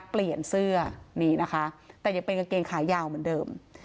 เปลี่ยนเสื้อนี่นะคะแต่ยังเป็นกางเกงขายาวเหมือนเดิม